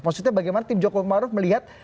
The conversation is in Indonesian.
maksudnya bagaimana tim jokowi maruf melihat